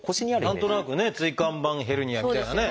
何となくね「椎間板ヘルニア」みたいなね